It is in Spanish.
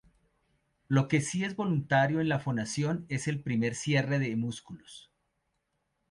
Lo que sí es voluntario en la fonación es el primer cierre de músculos.